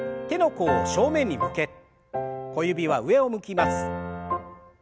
手の甲を正面に向け小指は上を向きます。